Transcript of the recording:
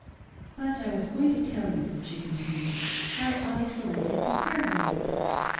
"But I was going to tell you," she continued, "how I selected the third wife.